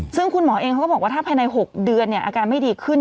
ซึ่งคุณหมอเองเขาก็บอกว่าถ้าภายใน๖เดือนอาการไม่ดีขึ้น